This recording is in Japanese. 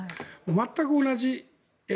全く同じ絵。